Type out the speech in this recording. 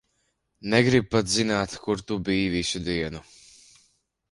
Negribu pat zināt, kur tu biji visu dienu.